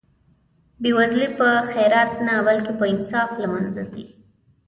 بې وزلي په خیرات نه بلکې په انصاف له منځه ځي.